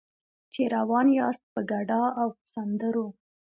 چې روان یاست په ګډا او په سندرو.